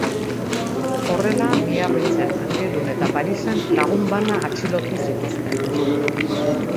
Horrela, Miarritzen, Angelun eta Parisen lagun bana atxilotu zituzten.